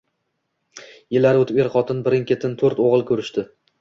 Yillar o`tib er-xotin birin-ketin to`rt o`g`il ko`rishdi